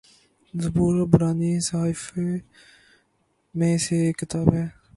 زبور عبرانی صحائف میں سے ایک کتاب ہے